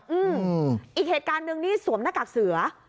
อืมอีกเหตุการณ์หนึ่งนี่สวมหน้ากากเสือ